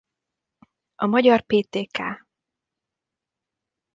A magyar Ptk.